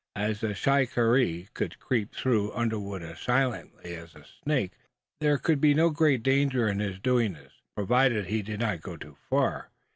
As the shikaree could creep through underwood as silently as a snake, there could be no great danger in his doing this, provided he did not go too far.